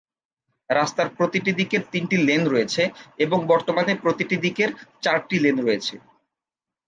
রাস্তার প্রতিটি দিকের তিনটি লেন রয়েছে, এবং বর্তমানে প্রতিটি দিকের চারটি লেন রয়েছে।